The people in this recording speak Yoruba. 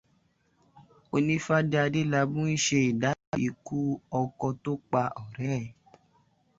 Onífádé Adélabú ń ṣè ìdárò ikú ọkọ tó pa ọ̀rẹ́ rẹ̀